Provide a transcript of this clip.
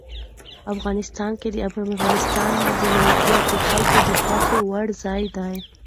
افغانستان کې د افغانستان د موقعیت د خلکو د خوښې وړ ځای دی.